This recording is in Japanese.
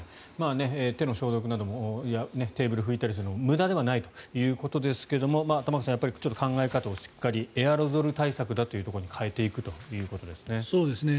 手の消毒などもテーブルを拭いたりするのも無駄ではないということですが玉川さん、ちょっと考え方をしっかりエアロゾル対策ということに変えていくということですね。